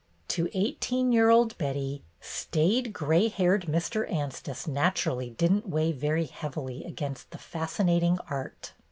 To eighteen year old Betty, staid gray haired Mr. Anstice naturally did n't weigh very heavily against the fascinating art.